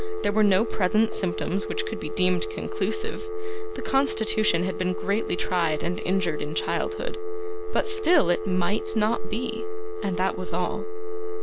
There were no present symptoms which could be deemed conclusive. The constitution had been greatly tried and injured in childhood, but still it MIGHT not be and that was all.